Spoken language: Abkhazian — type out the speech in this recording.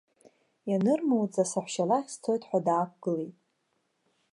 Ианырмуӡа, саҳәшьа лахь сцоит ҳәа даақәгылеит.